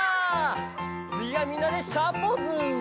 「つぎはみんなでシャーポーズ！」